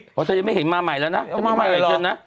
เพราะเธอยังไม่เห็นมาใหม่แล้วนะ